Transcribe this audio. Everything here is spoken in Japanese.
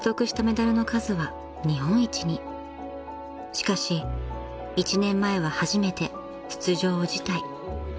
［しかし１年前は初めて出場を辞退］